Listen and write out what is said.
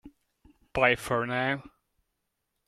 Bye for now!